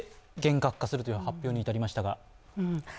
厳格化するという発表に至りましたが。